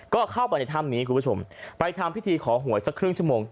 ก็เข้าไปในถ้ำนี้คุณผู้ชมไปทำพิธีขอหวยสักครึ่งชั่วโมง